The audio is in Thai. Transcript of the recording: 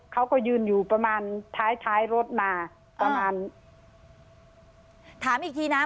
เขาก็ยืนอยู่ประมาณท้ายท้ายรถมาประมาณถามอีกทีนะ